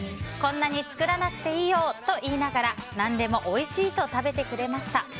こんなに作らなくていいよと言いながら何でもおいしいと食べてくれました。